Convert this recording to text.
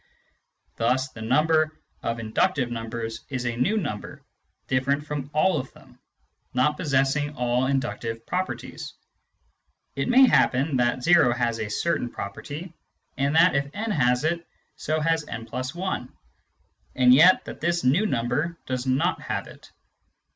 Thus the number of inductive numbers is a new number, different from all of them, not possess ing all inductive properties. It may happen that o has a certain Infinite Cardinal Numbers 79 property; and that if n has it so has «+i, and yet that this new number does not have it.